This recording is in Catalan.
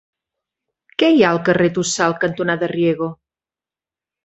Què hi ha al carrer Tossal cantonada Riego?